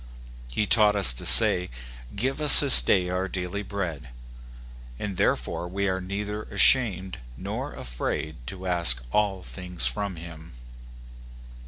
He taught us to say, "Give us this day our daily bread," and therefore we are neither ashamed nor afraid to ask all things from him.